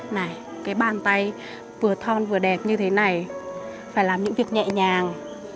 này cái bàn tay vừa thon vừa đẹp như thế này phải làm những việc nhẹ nhàng